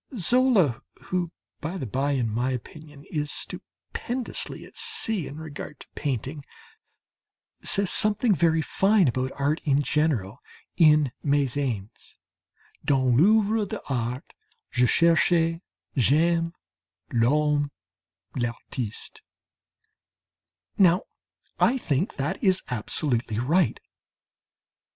Zola, who, by the bye, in my opinion, is stupendously at sea in regard to painting, says something very fine about art in general in "Mes Haines": "Dans l'œuvre d'art je cherche, j'aime l'homme, l'artiste." Now I think that is absolutely right.